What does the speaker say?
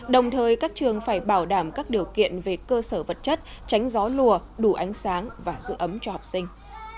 đồng thời các trường phải bảo đảm các điều kiện về cơ sở vật chất tránh gió lùa đủ ánh sáng và giữ ấm cho học sinh